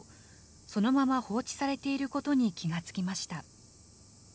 そのまま放置されていることに気が付きました。